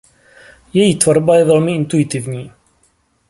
Její tvorba je velmi intuitivní.